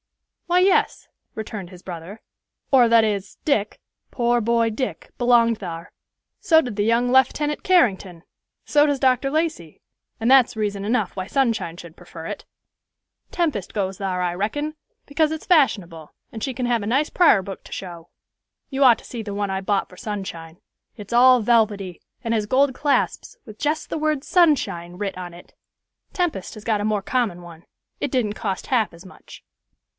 "Why, yes," returned his brother; "or, that is, Dick, poor boy Dick, belonged thar; so did the young Leftenant Carrington; so does Dr. Lacey; and that's reason enough why Sunshine should prefer it. Tempest goes thar, I reckon, because its fashionable, and she can have a nice prar book to show. You ought to see the one I bought for Sunshine. It's all velvety, and has gold clasps, with jest the word 'Sunshine' writ on it. Tempest has got a more common one. It didn't cost half as much."